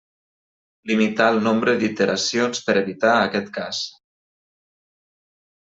Limitar el nombre d'iteracions per evitar aquest cas.